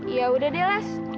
ya udah deh las